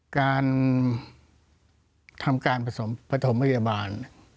การทำการผสมปฐมพยาบาล